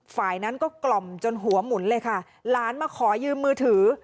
ฝ่ายนั้นก็กล่อมจนหัวหมุนเลยค่ะหลานมาขอยืมมือถือ